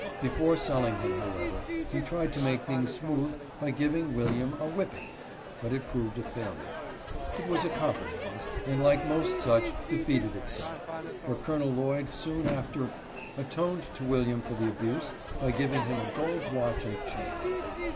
Before selling him, however, he tried to make things smooth by giving William a whip ping, but it proved a failure. It was a compromise, and like most such, defeated itself, — for Col. Lloyd soon after atoned to William for the abuse by giving him a gold watch and chain.